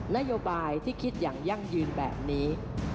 นโยบายที่คิดอย่างยั่งยืนแบบนี้